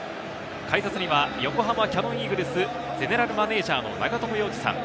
解説には横浜キヤノンイーグルス、ゼネラルマネージャーの永友洋司さん。